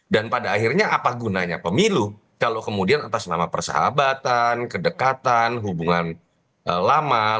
dan pada akhirnya apa gunanya pemilu kalau kemudian atas nama persahabatan kedekatan hubungan lama lalu kemudian semuanya ikut masuk ke dalam bagian pertemuan